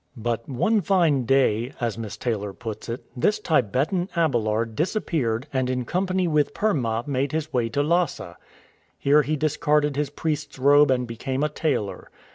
But "one fine day," as Miss 83 NOGA THE TRAITOR Taylor puts it, " this Tibetan Abelard disappeared, and in company with Per ma made his way to Lhasa.*" Here he discarded his priest's robe and became a tailor.